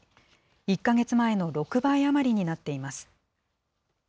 １か月前の６倍余りになっています。